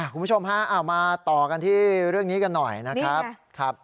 คุณผู้ชมฮะเอามาต่อกันที่เรื่องนี้กันหน่อยนะครับ